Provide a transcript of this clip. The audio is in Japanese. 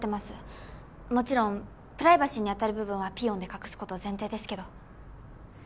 もちろんプライバシーに当たる部分はピー音で隠す事前提ですけど。